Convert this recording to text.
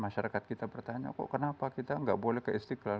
masyarakat kita bertanya kok kenapa kita nggak boleh ke istiqlal